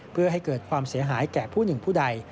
เพื่อให้เกิดความเสียหายแก่ผู้หนึ่งผู้ใด